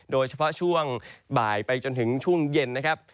โดยเฉพาะช่วงบ่ายไปจนถึงช่วงเย็นนะครับ